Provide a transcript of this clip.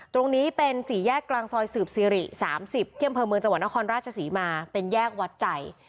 ตรงนี้เป็นสี่แยกกลางซอยสืบสิริ๓๐ที่อำเภอเมืองจังหวัดนครราชศรีมาเป็นแยกวัดใจ